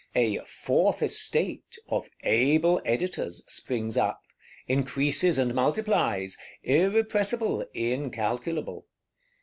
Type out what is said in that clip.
A Fourth Estate, of Able Editors, springs up; increases and multiplies; irrepressible, incalculable.